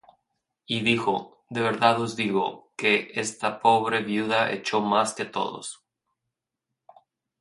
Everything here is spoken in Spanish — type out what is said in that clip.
Y dijo: De verdad os digo, que esta pobre viuda echó más que todos: